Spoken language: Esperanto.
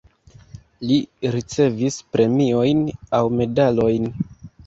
Li ricevis premiojn aŭ medalojn.